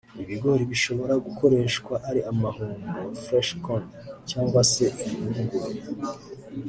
Ibigori bishobora gukoreshwa ari amahundo (fresh corn) cyangwa se impungure